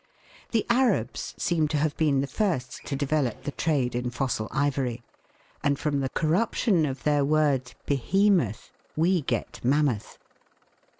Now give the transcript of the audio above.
The Arabs seem to have been the first to develop the trade in fossil ivory, and from the corruption of their word " behemoth " we get " mammoth."